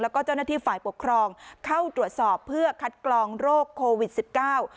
แล้วก็เจ้าหน้าที่ฝ่ายปกครองเข้าตรวจสอบเพื่อคัดกรองโรคโควิดสิบเก้า